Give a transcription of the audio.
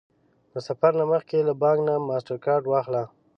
د سفر نه مخکې له بانک نه ماسټرکارډ واخله